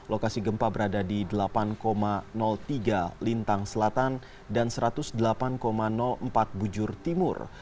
lokasi gempa berada di delapan tiga lintang selatan dan satu ratus delapan empat bujur timur